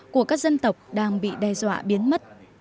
của các dân tộc đang bị đe dọa biến mất